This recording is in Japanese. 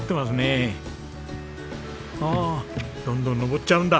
ああどんどん登っちゃうんだ。